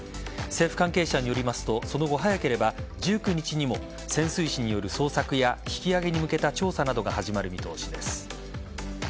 政府関係者によりますとその後、早ければ１９日にも潜水士による捜索や引き揚げに向けた調査などが始まる見通しです。